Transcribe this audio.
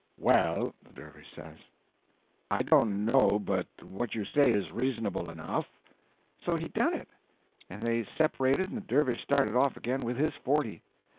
"Well," the dervish says, "I don't know but what you say is reasonable enough." So he done it, and they separated and the dervish started off again with his forty.